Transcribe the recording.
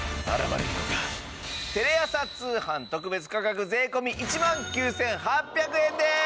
テレ朝通販特別価格税込１万９８００円です！